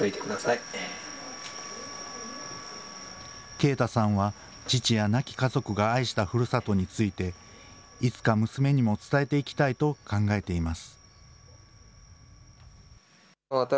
圭太さんは、父や亡き家族が愛したふるさとについて、いつか娘にも伝えていきたいと考えています。